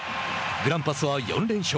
グランパスは４連勝。